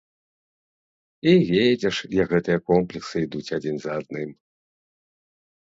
І едзеш, як гэтыя комплексы ідуць адзін за адным.